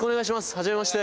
はじめまして。